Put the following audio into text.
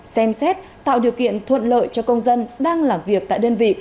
xem xét tạo điều kiện thuận lợi cho công dân đang làm việc tại đơn vị